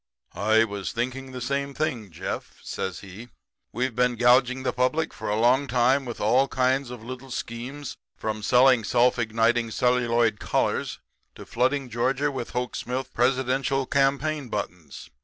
"'I was thinking the same thing, Jeff,' says he. 'We've been gouging the public for a long time with all kinds of little schemes from selling self igniting celluloid collars to flooding Georgia with Hoke Smith presidential campaign buttons.